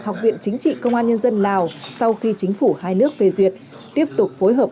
học viện chính trị công an nhân dân lào sau khi chính phủ hai nước phê duyệt tiếp tục phối hợp